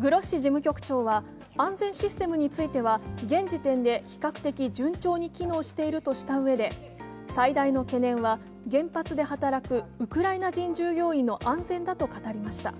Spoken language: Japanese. グロッシ事務局長は安全システムについては現時点で比較的順調に機能しているとしたうえで最大の懸念は、原発で働くウクライナ人従業員の安全だと語りました。